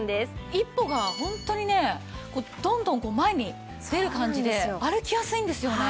一歩がホントにねどんどん前に出る感じで歩きやすいんですよね。